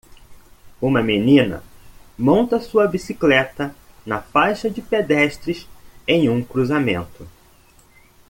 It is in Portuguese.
Uma menina monta sua bicicleta na faixa de pedestres em um cruzamento.